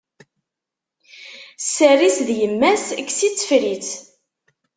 Sser-is d yemma-s, kkes-itt, ffer-itt!